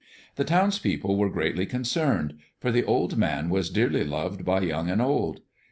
The townspeople were greatly concerned, for the old man was dearly loved by young and old.